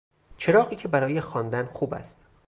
چراغی که برای خواندن خوب است